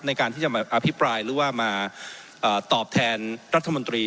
ในการที่จะมาอภิปรายหรือว่ามาตอบแทนรัฐมนตรี